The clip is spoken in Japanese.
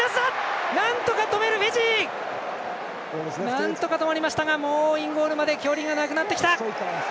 なんとか止まりましたがもうインゴールまで距離がなくなってきました。